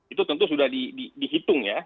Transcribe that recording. itu tentu sudah dihitung ya